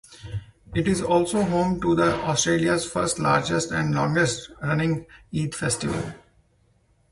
It is also home to the Australia's first, largest and longest-running Eid Festival.